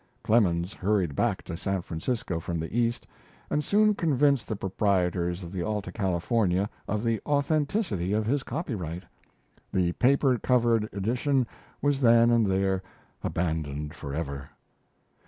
Clemens hurried back to San Francisco from the East, and soon convinced the proprietors of the 'Alta California' of the authenticity of his copyright. The paper covered edition was then and there abandoned forever.